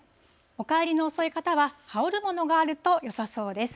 お帰りの遅い方は、羽織るものがあるとよさそうです。